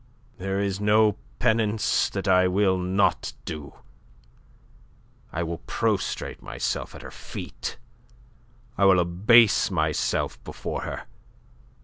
"There is no penance I will not do. I will prostrate myself at her feet. I will abase myself before her.